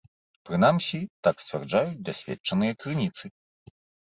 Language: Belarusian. Прынамсі, так сцвярджаюць дасведчаныя крыніцы.